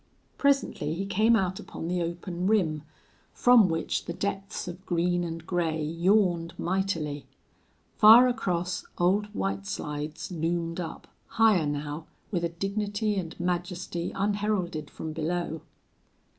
Presently he came out upon the open rim, from which the depths of green and gray yawned mightily. Far across, Old White Slides loomed up, higher now, with a dignity and majesty unheralded from below.